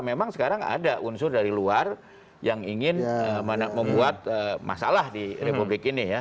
memang sekarang ada unsur dari luar yang ingin membuat masalah di republik ini ya